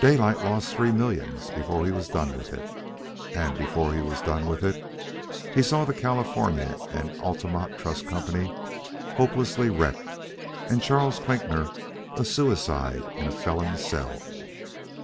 Daylight lost three millions before he was done with it, and before he was done with it he saw the California & Altamont Trust Company hopelessly wrecked, and Charles Klinkner a suicide in a felon's cell.